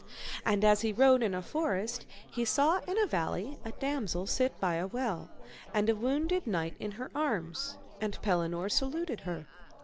And as he rode in a forest, he saw in a valley a damosel sit by a well, and a wounded knight in her arms, and Pellinore saluted her.